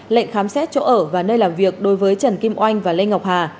lệnh khám xét chỗ ở và nơi làm việc đối với trần kim oanh và lê ngọc hà